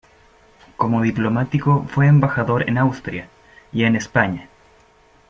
Como diplomático fue embajador en Austria y en España.